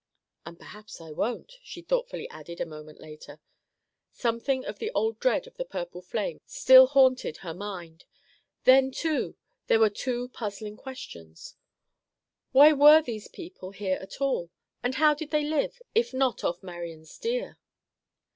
"And perhaps I won't," she thoughtfully added a moment later. Something of the old dread of the purple flame still haunted her mind. Then, too, there were two puzzling questions: Why were these people here at all; and how did they live, if not off Marian's deer?